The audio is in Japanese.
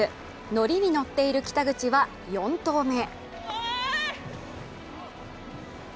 ノリに乗っている北口は４投目。